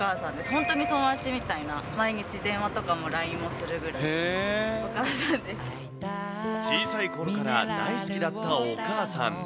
本当に友達みたいな、毎日電話とかも、ＬＩＮＥもするぐらいのお小さいころから大好きだったお母さん。